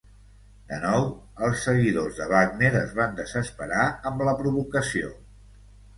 De nou, els seguidors de Wagner es van desesperar amb la provocació.